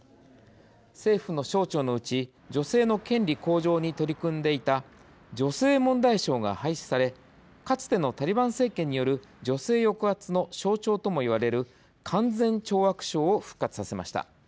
政府の省庁のうち女性の権利向上に取り組んでいた女性問題省が廃止されかつてのタリバン政権による女性抑圧の象徴ともいわれる勧善懲悪省を復活させました。